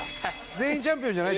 全員チャンピオンじゃないって事？